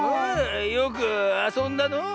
よくあそんだのう。